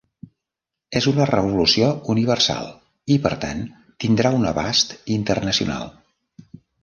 És una revolució universal i, per tant, tindrà un abast internacional.